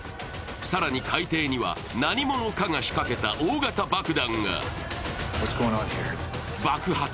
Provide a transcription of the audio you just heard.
更に海底には何者かが仕掛けた大型爆弾が。